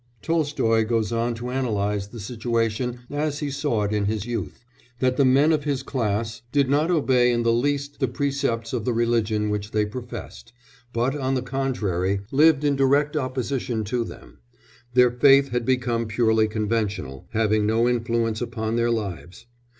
Tolstoy goes on to analyse the situation as he saw it in his youth that the men of his class did not obey in the least the precepts of the religion which they professed, but, on the contrary, lived in direct opposition to them; their faith had become purely conventional, having no influence upon their lives.